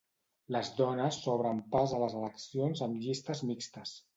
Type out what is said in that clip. Les dones s'obren pas a les eleccions amb llistes mixtes.